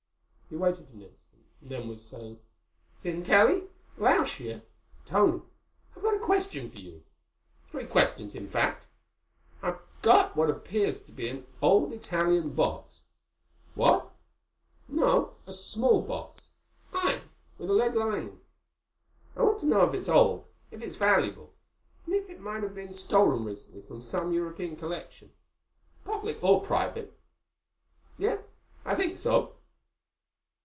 He waited an instant and then he was saying, "Sintelli?... Lausch here. Tony, I've got a question for you—three questions, in fact. I've got what appears to be an old Italian box— ... What?... No, a small box. Iron, with a lead lining. I want to know if it's old, if it's valuable, and if it might have been stolen recently from some European collection—public or private.... Yes, I think so."